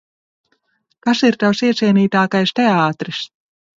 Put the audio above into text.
Kas ir tavs iecienītākais teātris?